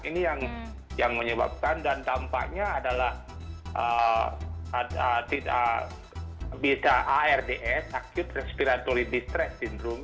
ini yang menyebabkan dan dampaknya adalah bisa ards accute respiratory distress syndrome